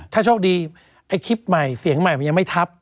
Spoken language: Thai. ถ้าโชคดีไอ้คลิปใหม่เสียงใหม่มันยังไม่ทับ